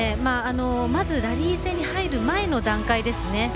まずラリー戦に入る前の段階ですね。